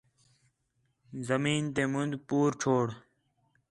زمین تے مند پُور چھوڑ